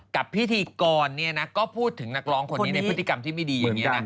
กับพิธีกรก็พูดถึงนักร้องคนนี้ในพฤติกรรมที่ไม่ดีอย่างนี้นะ